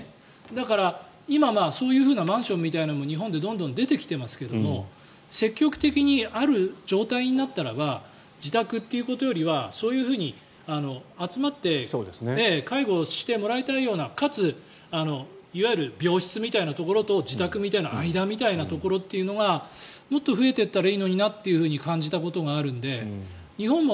だから、今そういうマンションみたいなのも日本でどんどん出てきてますが積極的に、ある状態になったらば自宅ということよりはそういうふうに集まって介護してもらいたいようなかつ、いわゆる病室みたいなところと自宅みたいな間みたいなところというのがもっと増えていったらいいのになって感じたことがあるので日本も